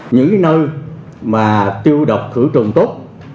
những nơi mà tiêu độc thử trùng tốt